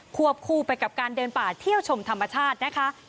วบคู่ไปกับการเดินป่าเที่ยวชมธรรมชาตินะคะ